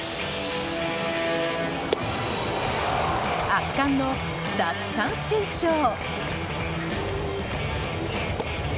圧巻の奪三振ショー！